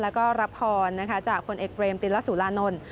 แล้วก็รับพรจากผลเอกเรมติลสุรานนท์